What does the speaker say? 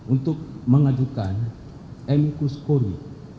untuk mengajukan emikus kuri